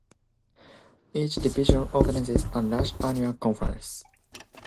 Each division organizes a large annual conference.